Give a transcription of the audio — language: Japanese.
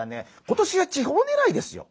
今年は地方ねらいですよ。